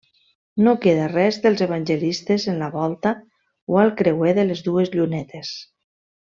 No queda res dels Evangelistes en la volta o al creuer de les dues llunetes.